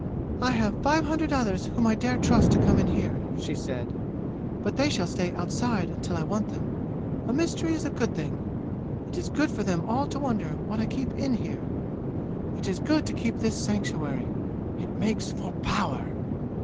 "I have five hundred others whom I dare trust to come in here," she said, "but they shall stay outside until I want them. A mystery is a good thing! It is good for them all to wonder what I keep in here! It is good to keep this sanctuary; it makes for power!"